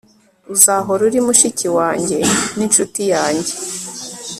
uzahora uri mushiki wanjye n'inshuti yanjye